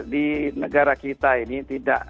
di negara kita ini tidak